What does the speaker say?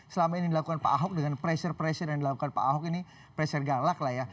selama ini dilakukan pak ahok dengan pressure pressure yang dilakukan pak ahok ini pressure galak lah ya